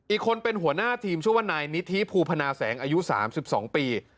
อีกคนเป็นหัวหน้าทีมชื่อว่านายนิธิภูพนาแสงอายุ๓๒ปี